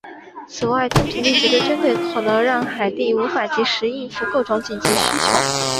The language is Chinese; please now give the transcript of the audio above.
此外精疲力竭的军队可能让海地无法即时应付各种紧急需求。